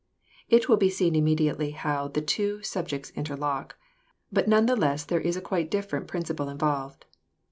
It will be seen immediately how the two subjects interlock, but none the less there is a quite differ ent principle involved.